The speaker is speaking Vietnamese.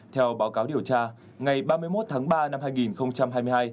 theo báo cáo điều tra ngày ba mươi một tháng ba năm hai nghìn hai mươi hai